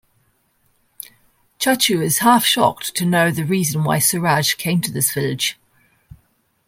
Chachu's half-shocked to know the reason why Suraj came to this village.